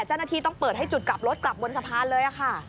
เจ้าหน้าที่ต้องเปิดให้จุดกลับรถกลับบนสะพานเลยค่ะ